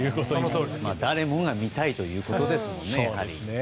誰もが見たいということですよね。